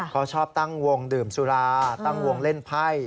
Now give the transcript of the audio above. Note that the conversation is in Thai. เขาชอบตั้งวงดื่มสุราตั้งวงเล่นไพ่